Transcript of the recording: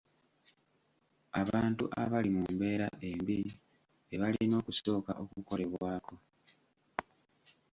Abantu abali mu mbeera embi be balina okusooka okukolebwako.